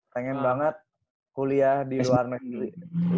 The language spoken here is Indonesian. pengen banget kuliah di luar negeri